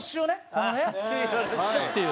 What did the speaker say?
このねシュッ！っていう。